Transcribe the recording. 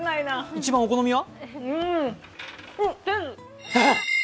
一番お好みは？